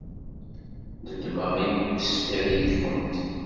Nedmeɣ imi ur ṣfiɣ yid-kent.